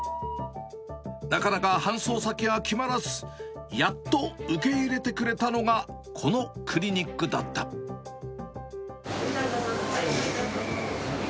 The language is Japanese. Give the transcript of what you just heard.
なかなか搬送先が決まらず、やっと受け入れてくれたのがこのいったたた。